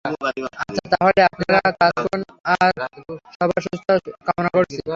আচ্ছা তাহলে, আপনারা কাজ করুন, আর সবার দ্রুত সুস্থতা কামনা করছি।